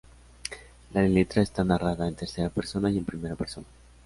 La letra está narrada en tercera persona y en primera persona.